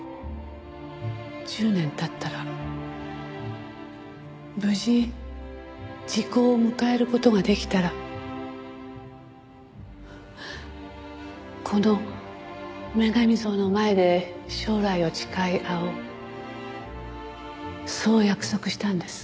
１０年経ったら無事時効を迎える事ができたらこの女神像の前で将来を誓い合おうそう約束したんです。